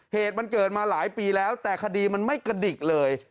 เหตุมันเกิดมาหลายปีแล้วแต่คดีมันไม่กระดิกเลย